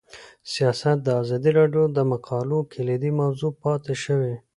سیاست د ازادي راډیو د مقالو کلیدي موضوع پاتې شوی.